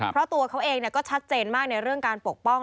เพราะตัวเขาเองก็ชัดเจนมากในเรื่องการปกป้อง